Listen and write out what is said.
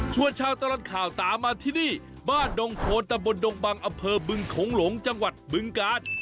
ชวนชาวตลอดข่าวตามมาที่นี่บ้านดงโทนตะบนดงบังอำเภอเบื้องขงหลงจังหวัดเบื้องกาล